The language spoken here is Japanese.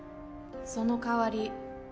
その代わり